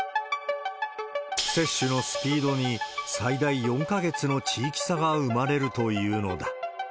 接種のスピードに最大４か月の地域差が生まれるというのだ。